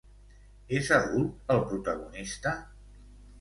És adult el protagonista?